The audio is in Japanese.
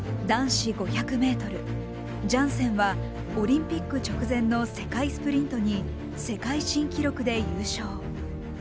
ジャンセンはオリンピック直前の世界スプリントに世界新記録で優勝。